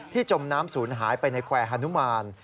จมน้ำศูนย์หายไปในแควร์ฮานุมาน